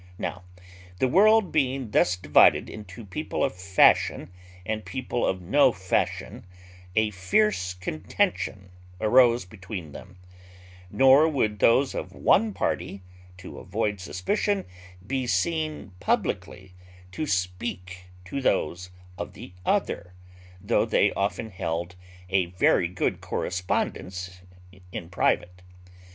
Now, the world being thus divided into people of fashion and people of no fashion, a fierce contention arose between them; nor would those of one party, to avoid suspicion, be seen publicly to speak to those of the other, though they often held a very good correspondence in private.